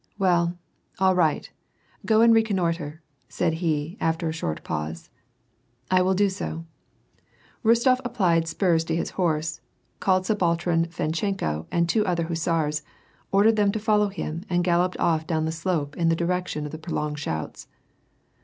"Well, all right, go and reconnoitre," said he, after a short pause. "I will do so." Rostof applied spurs to his horse, called subaltern Fad ehenko and two other hussars, ordered them to follow him and galloped off down the slope in the direction of the pro longed shouts.